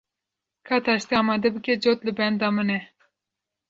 Ka taştê amade bike, cot li benda min e.